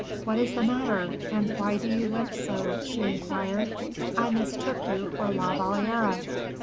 "What is the matter, and why do you limp so?" she inquired; "I mistook you for La Valliere."